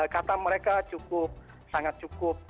kata mereka cukup sangat cukup